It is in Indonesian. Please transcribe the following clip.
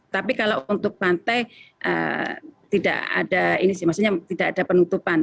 tapi kalau untuk pantai tidak ada ini sih maksudnya tidak ada penutupan